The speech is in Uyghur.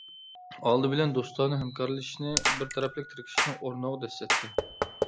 ئالدى بىلەن دوستانە ھەمكارلىشىشنى بىر تەرەپلىك تىركىشىشنىڭ ئورنىغا دەسسەتتى.